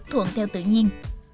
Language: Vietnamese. thuận theo tự nhiên